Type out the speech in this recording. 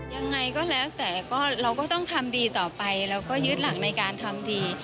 ยังไงก็แล้วแต่ก็เราก็ต้องทำดีต่อไปเราก็ยึดหลักในการทำดี